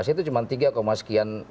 itu cuma tiga sekian